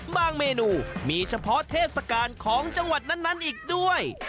เมนูมีเฉพาะเทศกาลของจังหวัดนั้นอีกด้วย